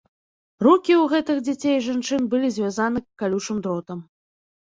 Рукі ў гэтых дзяцей і жанчын былі звязаны калючым дротам.